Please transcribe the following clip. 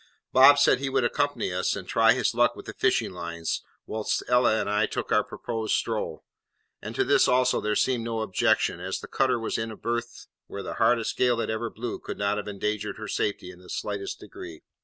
Bob said he would accompany us, and try his luck with the fishing lines, whilst Ella and I took our proposed stroll; and to this also there seemed no objection, as the cutter was in a berth where the hardest gale that ever blew could not have endangered her safety in the slightest degree.